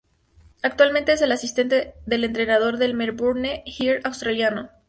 Actualmente es el asistente del entrenador del Melbourne Heart australiano.